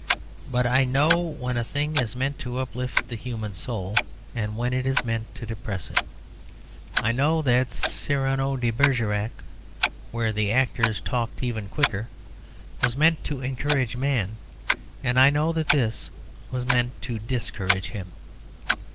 But I know when a thing is meant to uplift the human soul, and when it is meant to depress it. I know that 'Cyrano de Bergerac' (where the actors talked even quicker) was meant to encourage man. And I know that this was meant to discourage him."